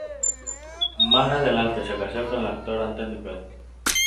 Más adelante se casó con el actor Anthony Booth.